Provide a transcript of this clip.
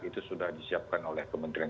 itu sudah disiapkan oleh kementerian